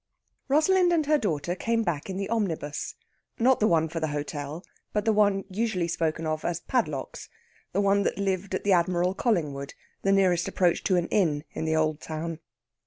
Rosalind and her daughter came back in the omnibus not the one for the hotel, but the one usually spoken of as Padlock's the one that lived at the Admiral Collingwood, the nearest approach to an inn in the old town.